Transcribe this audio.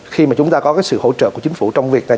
khi mà chúng ta có cái sự hỗ trợ của chính phủ trong việc này